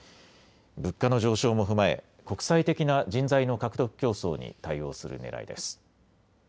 物価の上昇も踏まえ国際的な人材の獲得競争に対応するねらいです。